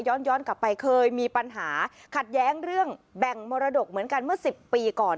ย้อนกลับไปเคยมีปัญหาขัดแย้งเรื่องแบ่งมรดกเหมือนกันเมื่อ๑๐ปีก่อน